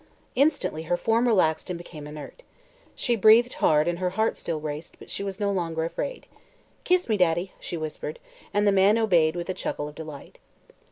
Instantly her form relaxed and became inert. She breathed hard and her heart still raced, but she was no longer afraid. "Kiss me, Daddy!" she whispered, and the man obeyed with a chuckle of delight.